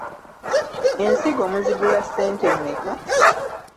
Ensigo muzigula ssente mmeka?